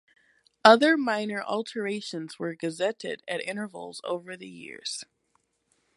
Other minor alterations were gazetted at intervals over the years.